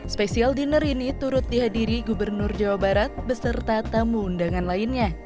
special dinner ini turut dihadiri gubernur jawa barat beserta tamu undangan lainnya